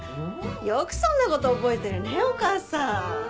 よくそんな事覚えてるねお義母さん。